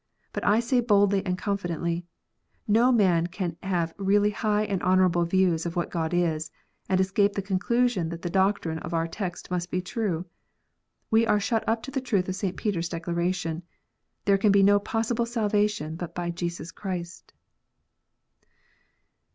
But I say boldly and confidently, No man can have really high and honourable views of what God is, and escape the conclusion that the doctrine of our text must be true. We are shut up to the truth of St. Peter s declaration. There can be no possible salvation but by Jesus Christ.